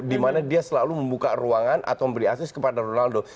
dimana dia selalu membuka ruangan atau memberi akses kepada ronaldo